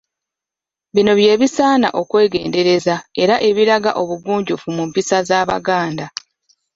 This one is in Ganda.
Bino bye bisaana okwegendereza era ebiraga obugunjufu mu mpisa z’Abaganda.